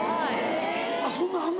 あっそんなのあんの